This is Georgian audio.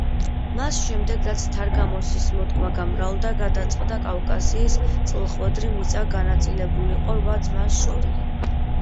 მას შემდეგ რაც თარგამოსის მოდგმა გამრავლდა, გადაწყდა კავკასიის წილხვედრი მიწა განაწილებულიყო რვა ძმას შორის.